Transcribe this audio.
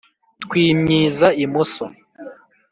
Twimyiza imoso